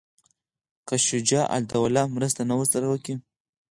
که شجاع الدوله مرسته نه ورسره کوي.